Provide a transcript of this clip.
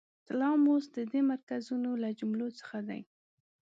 تلاموس د دې مرکزونو له جملو څخه دی.